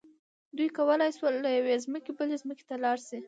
دوی کولی شول له یوې ځمکې بلې ته لاړ شي.